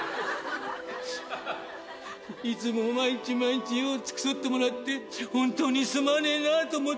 いつも毎日毎日付き添ってもらって本当にすまねえなと思ってるよ。